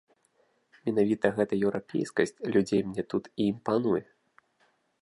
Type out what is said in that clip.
Менавіта гэта еўрапейскасць людзей мне тут і імпануе.